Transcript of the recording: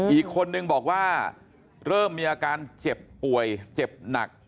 อีกคนนึงบอกว่าเริ่มมีอาการเจ็บป่วยเจ็บหนัก